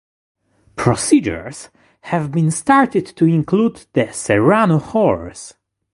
Procedures have been started to include the Serrano horse.